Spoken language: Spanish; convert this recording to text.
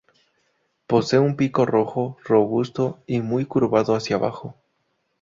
Posee un pico rojo, robusto y muy curvado hacia abajo.